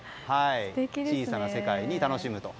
小さな世界を楽しむと。